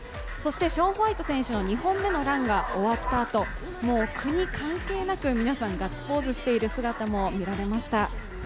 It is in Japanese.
そしてショーン・ホワイト選手の２本目のランが終わったあと、国、関係なく皆さん、ガッツポーズしている姿が見られました。